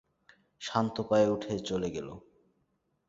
শান্ত পায়ে উঠে চলে গেল।